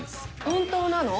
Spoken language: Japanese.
本当なの？